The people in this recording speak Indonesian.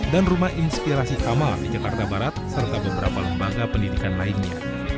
dan rumah inspirasi kamar di jakarta barat serta beberapa lembaga pendidikan lainnya